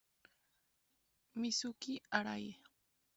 Mizuki Arai